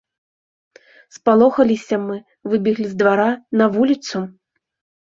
Спалохаліся мы, выбеглі з двара на вуліцу.